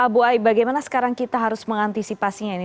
bu ai bagaimana sekarang kita harus mengantisipasinya ini